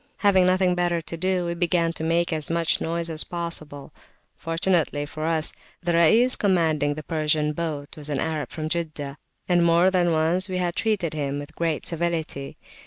Having nothing better to do, we began to make as much noise as possible. Fortunately for us, the Rais commanding the Persian's boat was an Arab from Jeddah; and more than once we had treated him with great civility.